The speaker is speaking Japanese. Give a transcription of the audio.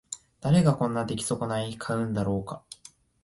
誰がこんな出来損ない買うんだろうか